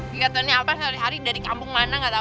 dikatanya apa setiap hari dari kampung mana